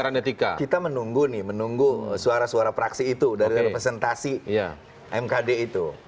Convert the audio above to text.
jadi pertama kita menunggu nih menunggu suara suara praksi itu dari representasi mkd itu